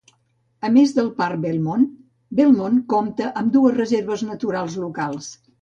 A més de parc Belmont, Belmont compta amb dues reserves naturals locals.